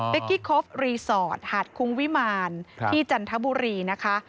เป็นกี้คบรีสอร์ทหาดคุ้งวิมารที่จันทบุรีนะคะ